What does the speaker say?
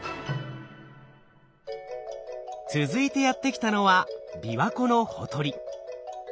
続いてやって来たのは琵琶湖のほとり。